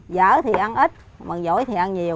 giỡn thì ăn ít mừng giỏi thì ăn nhiều